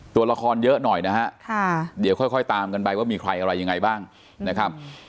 ตัวละครเยอะหน่อยนะฮะเดี๋ยวค่อยตามกันไปว่ามีใครอะไรยังไงบ้างนะครับ